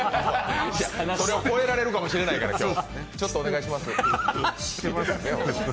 それを超えられるかもしれないから、今日。